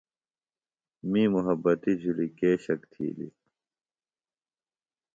می مُحبتی جُھلیۡ کے شک تِھیلیۡ